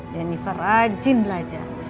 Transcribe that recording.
jennifer rajin belajar